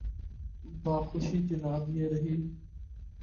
بخوشی جناب، یہ رہی۔